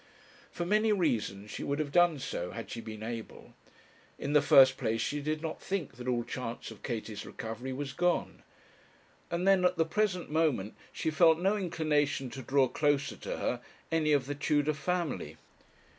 For many reasons she would have done so, had she been able; in the first place she did not think that all chance of Katie's recovery was gone; and then at the present moment she felt no inclination to draw closer to her any of the Tudor family.